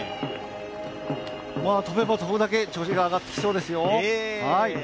飛べば飛ぶだけ、調子が上がってきそうですよ。